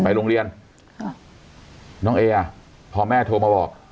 โรงเรียนค่ะน้องเออ่ะพอแม่โทรมาบอก